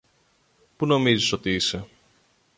που νομίζεις ότι είσαι